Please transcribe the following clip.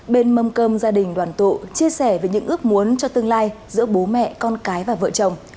bên mâm cơm gia đình đoàn tụ chia sẻ về những ước muốn cho tương lai giữa bố mẹ con cái và vợ chồng